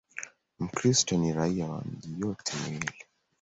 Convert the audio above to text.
Mkristo ni raia wa miji yote miwili.